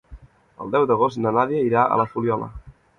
El deu d'agost na Nàdia irà a la Fuliola.